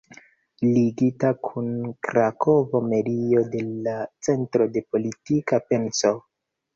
Ligita kun krakova medio de la Centro de Politika Penso.